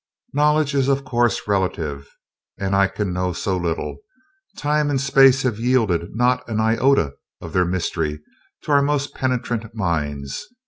Knowledge is, of course, relative, and I can know so little! Time and space have yielded not an iota of their mystery to our most penetrant minds.